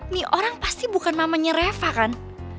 nih orang pasti bukan mamanya reva kan